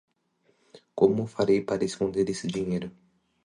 Como farei para esconder esse dinheiro?